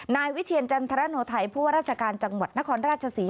นายวิเชียรจันทรโนไทยผู้ว่าราชการจังหวัดนครราชศรี